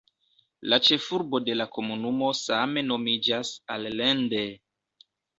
La ĉefurbo de la komunumo same nomiĝas "Allende".